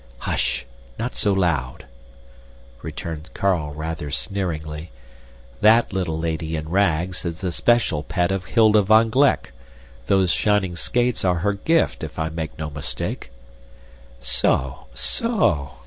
"Hush! not so loud!" returned Carl, rather sneeringly. "That little lady in rags is the special pet of Hilda van Gleck. Those shining skates are her gift, if I make no mistake." "So! so!"